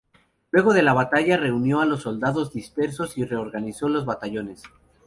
Luego de la batalla reunió a los soldados dispersos y reorganizó los batallones.